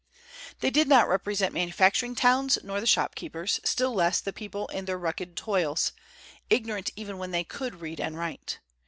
They did not represent manufacturing towns nor the shopkeepers, still less the people in their rugged toils, ignorant even when they could read and write.